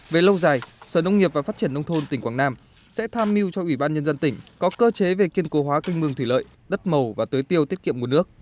về lâu dài sở nông nghiệp và phát triển nông thôn tỉnh quảng nam sẽ tham mưu cho ủy ban nhân dân tỉnh có cơ chế về kiên cố hóa canh mương thủy lợi đất màu và tới tiêu tiết kiệm nguồn nước